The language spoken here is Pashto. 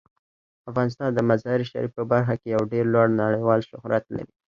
افغانستان د مزارشریف په برخه کې یو ډیر لوړ نړیوال شهرت لري.